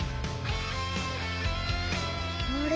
あれ？